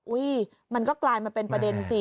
มันก็กลายมาเป็นประเด็นสิ